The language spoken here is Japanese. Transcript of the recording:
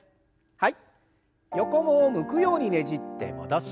はい。